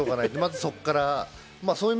まずはそこから。